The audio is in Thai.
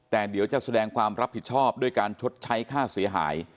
แต่เดี๋ยวจะแสดงความรับผิดชอบด้วยการชดใช้ค่าเสียหาย